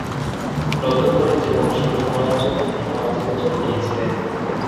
নতুন করে জীবন শুরু করার জন্য তিনি করাচিতে চলে গিয়েছিলেন।